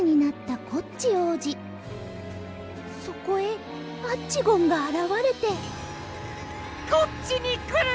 そこへアッチゴンがあらわれてこっちにくるな！